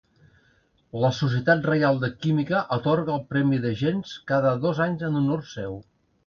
La Societat Reial de Química atorga el Premi De Gennes cada dos anys en honor seu.